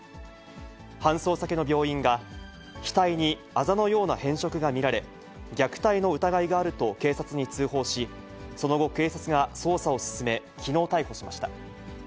搬送先の病院が額にあざのような変色が見られ、虐待の疑いがあると警察に通報し、その後、警察が捜査を進め、きのう逮捕しました。